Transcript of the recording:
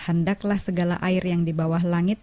hendaklah segala air yang di bawah langit